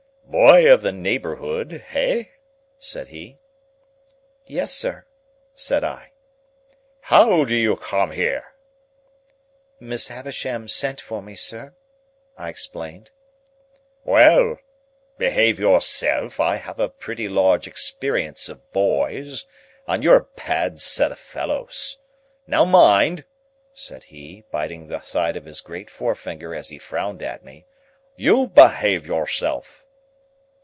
"Boy of the neighbourhood? Hey?" said he. "Yes, sir," said I. "How do you come here?" "Miss Havisham sent for me, sir," I explained. "Well! Behave yourself. I have a pretty large experience of boys, and you're a bad set of fellows. Now mind!" said he, biting the side of his great forefinger as he frowned at me, "you behave yourself!"